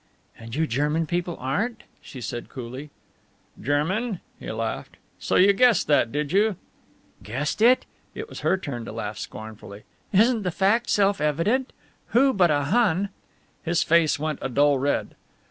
"And you German people aren't," she said coolly. "German?" he laughed. "So you guessed that, did you?" "Guessed it?" it was her turn to laugh scornfully. "Isn't the fact self evident? Who but a Hun " His face went a dull red.